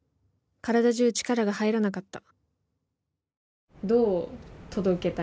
体中、力が入らなかった。